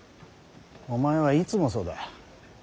お前はいつもそうだ。